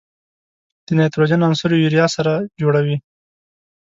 د نایتروجن عنصر یوریا سره جوړوي.